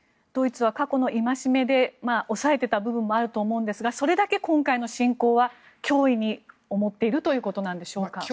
ドイツは過去の戒めで抑えていた部分もあると思うんですがそれだけ今回の侵攻は脅威に思っているということなんでしょうか？